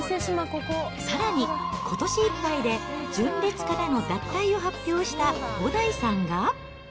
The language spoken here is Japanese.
さらに、ことしいっぱいで純烈からの脱退を発表した小田井さんが。